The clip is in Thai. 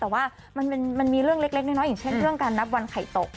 แต่ว่ามันมีเรื่องเล็กน้อยอย่างเช่นเรื่องการนับวันไข่ตก